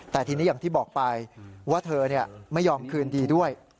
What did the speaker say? แต่ทีนี้อย่างที่บอกไปว่าเธอไม่ยอมคืนดีด้วย